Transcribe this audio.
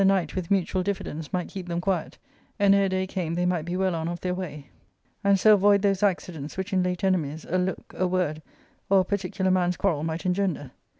night with mutual diffidence might keep them quiet, and ere day came they might be well on of their way, and so avoid those accidents which in late enemies a look, a word, or a particular man's quarrel might engender.